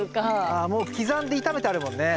ああもう刻んで炒めてあるもんね。